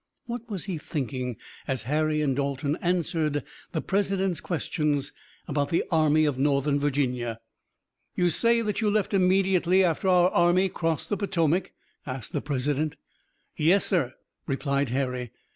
What was he thinking, as Harry and Dalton answered the President's questions about the Army of Northern Virginia? "You say that you left immediately after our army crossed the Potomac?" asked the President. "Yes, sir," replied Harry.